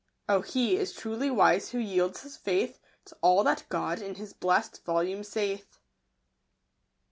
i Oh, he is truly wise who yields his faith f To all that God in His blest volume saith.